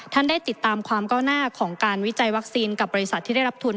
ท่านได้ติดตามความก้าวหน้าของการวิจัยวัคซีนกับบริษัทที่ได้รับทุน